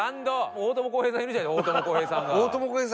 「大友康平さんいるじゃない大友康平さんが」